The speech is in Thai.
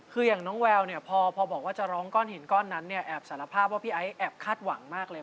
คืออย่างน้องแววเนี่ยพอบอกว่าจะร้องก้อนหินก้อนนั้นเนี่ยแอบสารภาพว่าพี่ไอ้แอบคาดหวังมากเลย